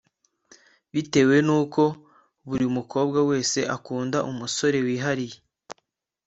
Bitewe n’uko buri mukobwa wese akunda umusore wihariye